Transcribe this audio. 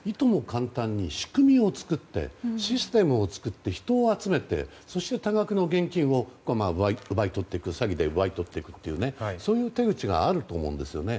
簡単に仕組みを作ってシステムを作って、人を集めてそして多額の現金を詐欺で奪い取っていくというそういう手口があると思うんですね。